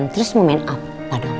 terus mau main apa dong